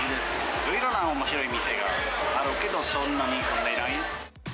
いろいろなおもしろい店があるけど、そんなに混んでない。